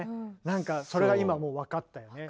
なんかそれが今もう分かったよね。